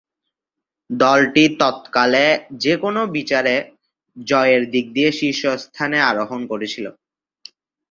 দলটি তৎকালে যে-কোন বিচারে জয়ের দিক দিয়ে শীর্ষস্থানে আরোহণ করেছিল।